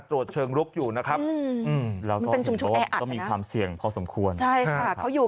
ตรวจเชิงลุกอยู่นะครับมีความเสี่ยงเพราะสมควรเขาอยู่